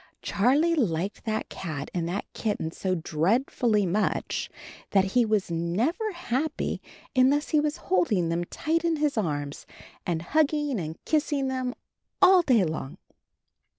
Charlie liked that cat and that kitten so dreadfully much that he was never happy unless he was holding them tight in his arms and hugging and kissing them all day long!